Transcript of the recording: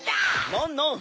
ノンノン！